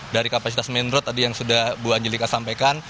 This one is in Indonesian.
dari kapasitas main road tadi yang sudah bu angelika sampaikan